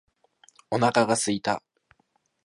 お腹が空いた